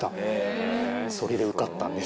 それで受かったんです。